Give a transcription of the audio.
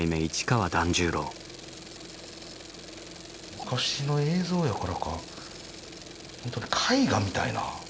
昔の映像やからか本当に絵画みたいな。